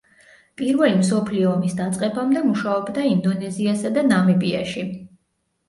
პირველი მსოფლიო ომის დაწყებამდე მუშაობდა ინდონეზიასა და ნამიბიაში.